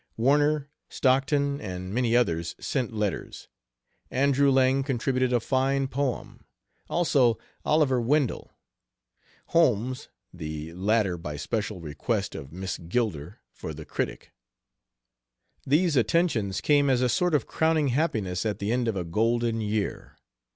Warner, Stockton and many others sent letters; Andrew Lang contributed a fine poem; also Oliver Wendell. Holmes the latter by special request of Miss Gilder for the Critic. These attentions came as a sort of crowning happiness at the end of a golden year.